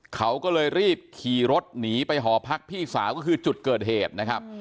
เขาก็เลยรีบขี่รถหนีไปหอพักพี่สาวก็คือจุดเกิดเหตุนะครับ